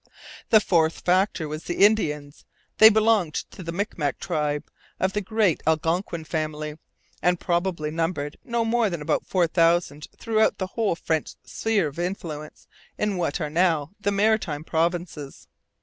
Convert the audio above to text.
The fourth factor was the Indians. They belonged to the Micmac tribe of the great Algonquin family, and probably numbered no more than about four thousand throughout the whole French sphere of influence in what are now the Maritime Provinces.